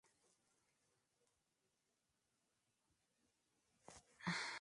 Un núcleo se proyecta dos veces y recibe un modificador en cada proyección.